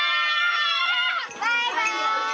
バイバイ。